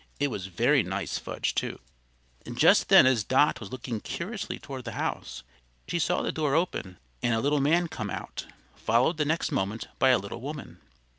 It was very nice fudge, too. Just then as Dot was looking curiously toward the house, she saw the door open and a little man come out, followed the next moment by a little woman.